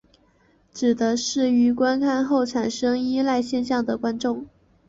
指的是于观看过后产生依赖现象的观众。